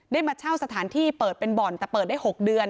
มาเช่าสถานที่เปิดเป็นบ่อนแต่เปิดได้๖เดือน